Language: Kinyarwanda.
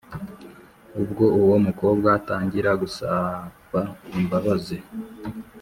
ubwo uwo mukobwa atangira gusaba imbabazi